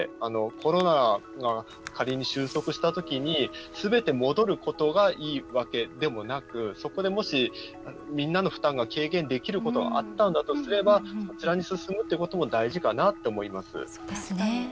コロナが仮に終息したときにすべて戻ることがいいわけでもなくそこでもし、みんなの負担が軽減できることがあったんだとしたらそちらに進むってことも大事かなって思います。